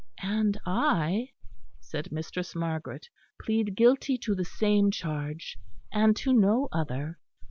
"And I," said Mistress Margaret, "plead guilty to the same charge, and to no other.